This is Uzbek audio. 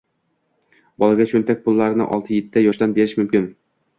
• Bolaga cho‘ntak pullarini olti-yetti yoshdan berish mumkin.